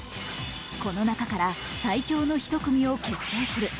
この中から最強のひと組を結成する。